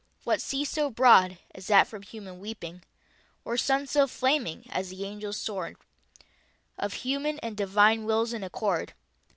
What sea so broad, as that from Human weeping? Or Sun so flaming, as the Angel's sword Of Human and Devine Wills in accord?